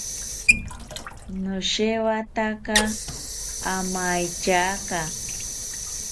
Noshewataka amaetyaka